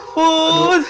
put itu put